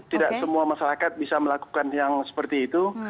tidak semua masyarakat bisa melakukan yang seperti itu